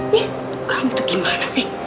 nih kamu itu gimana sih